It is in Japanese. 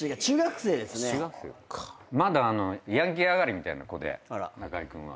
まだヤンキー上がりみたいな子で中居君は。